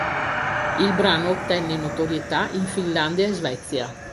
Il brano ottenne notorietà in Finlandia e Svezia.